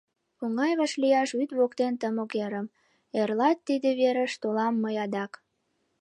Оҥай вашлияш вӱд воктен тымык эрым, Эрлат тиде верыш толам мый адак.